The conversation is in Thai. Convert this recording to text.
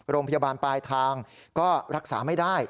โรงพยาบาลปลายทางก็รักษาไม่ได้